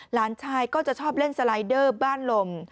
หลานชายก็จะชอบเล่นสไลเดอร์บ้านลม